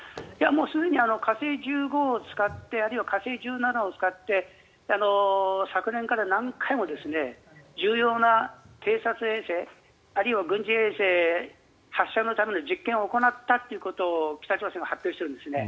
すでに火星１５を使ってあるいは火星１７を使って昨年から何回も重要な偵察衛星あるいは軍事衛星発射のための実験を行ったってことを北朝鮮は発表しているんですね。